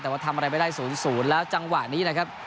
แต่ว่าทำอะไรไม่ได้๐๐แล้วจังหวะนี้นะครับ